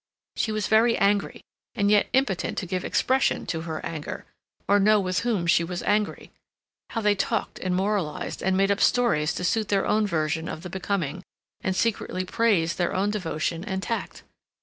She was very angry, and yet impotent to give expression to her anger, or know with whom she was angry. How they talked and moralized and made up stories to suit their own version of the becoming, and secretly praised their own devotion and tact!